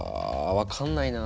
分かんないな。